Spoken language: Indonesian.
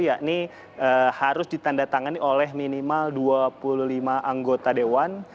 yakni harus ditandatangani oleh minimal dua puluh lima anggota dewan